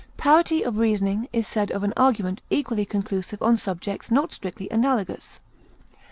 Parity of reasoning is said of an argument equally conclusive on subjects not strictly analogous.